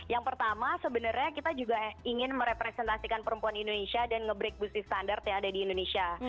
yang pertama sebenarnya kita juga ingin merepresentasikan perempuan indonesia dan nge break bisnis standar yang ada di indonesia